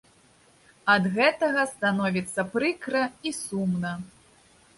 Ад гэтага становіцца прыкра і сумна.